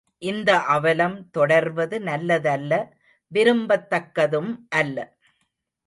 இந்த அவலம் தொடர்வது நல்லதல்ல விரும்பத்தக்கதும் அல்ல.